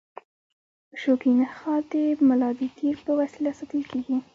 شوکي نخاع د ملا د تیر په وسیله ساتل کېږي.